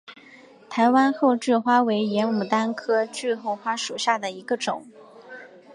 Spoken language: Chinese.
台湾厚距花为野牡丹科厚距花属下的一个种。